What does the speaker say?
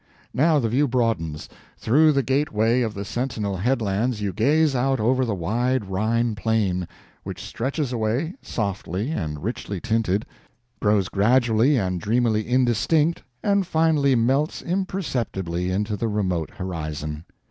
Now the view broadens; through the gateway of the sentinel headlands you gaze out over the wide Rhine plain, which stretches away, softly and richly tinted, grows gradually and dreamily indistinct, and finally melts imperceptibly into the remote horizon.